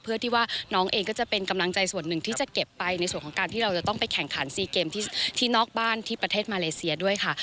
เพื่อที่ว่าน้องเองก็จะเป็นกำลังใจส่วนหนึ่งที่จะเก็บไปในส่วนของการที่เราจะต้องไปแข่งขันซีเกมที่นอกบ้านที่ประเทศมาเลเซียด้วยค่ะ